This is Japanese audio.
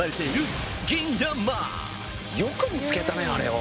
よく見つけたねあれを。